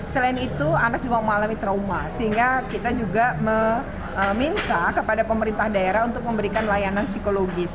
selain itu anak juga mengalami trauma sehingga kita juga meminta kepada pemerintah daerah untuk memberikan layanan psikologis